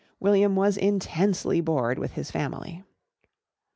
William was intensely bored with his family.